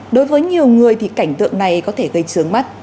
đối với nhiều người thì cảnh tượng này có thể gây trướng mắt